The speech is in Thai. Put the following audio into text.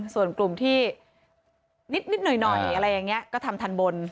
ส่วนกลุ่มที่นิดหน่อยอะไรอย่างนี้ก็ทำทันบน